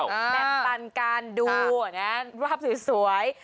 แบบปันการดูรอบสวย